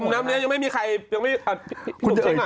กลุ่มนำเลี้ยงยังไม่มีใคร